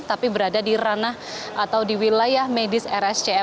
tapi berada di ranah atau di wilayah medis rscm